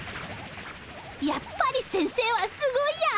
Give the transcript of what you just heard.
やっぱり先生はすごいや。